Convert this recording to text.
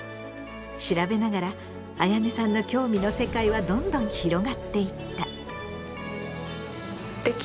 調べながらあやねさんの興味の世界はどんどん広がっていった。